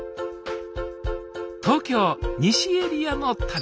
東京西エリアの旅。